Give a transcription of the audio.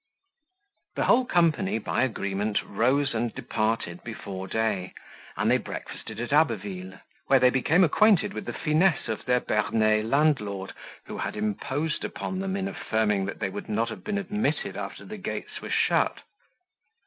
The whole company by agreement rose and departed before day, and breakfasted at Abbeville, where they became acquainted with the finesse of their Bernay landlord, who had imposed upon them, in affirming that they would not have been admitted after the gates were shut.